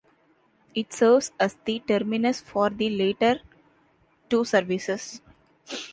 It serves as the terminus for the latter two services.